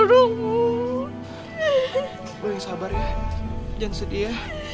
lo yang sabar ya jangan sedih ya